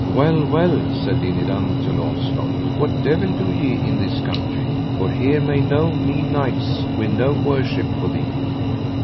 Well, well, said Dinadan to Launcelot, what devil do ye in this country, for here may no mean knights win no worship for thee.